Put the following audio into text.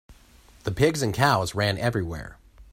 The pigs and cows ran everywhere.